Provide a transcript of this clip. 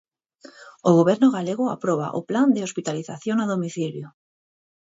O Goberno galego aproba o plan de hospitalización a domicilio.